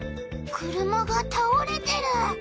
車がたおれてる。